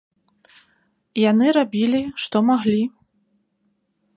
Яны рабілі, што маглі.